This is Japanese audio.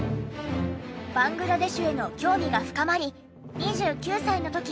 バングラデシュへの興味が深まり２９歳の時